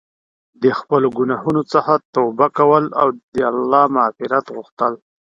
د خپلو ګناهونو څخه توبه کول او د الله مغفرت غوښتل.